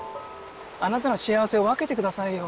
あなたの幸せを分けてくださいよ。